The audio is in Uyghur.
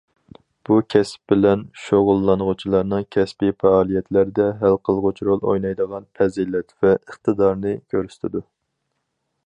بۇ كەسىپ بىلەن شۇغۇللانغۇچىلارنىڭ كەسپىي پائالىيەتلەردە ھەل قىلغۇچ رول ئوينايدىغان پەزىلەت ۋە ئىقتىدارنى كۆرسىتىدۇ.